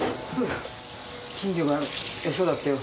金魚が餌だってよ。